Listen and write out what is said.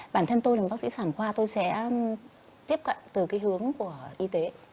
bản thân tôi là một bác sĩ sản khoa tôi sẽ tiếp cận từ cái hướng của y tế